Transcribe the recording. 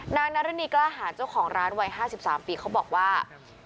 นารุณีกล้าหารเจ้าของร้านวัย๕๓ปีเขาบอกว่า